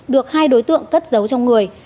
được hai đối tượng cất giấu trong người